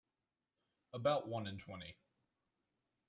About one in twenty.